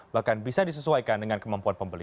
bahkan bisa disesuaikan dengan kemampuan pembeli